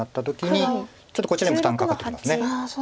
ちょっとこちらにも負担かかってきます。